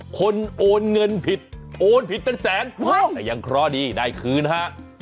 โอนเงินผิดโอนผิดเป็นแสนว้าวแต่ยังเคราะห์ดีได้คืนฮะ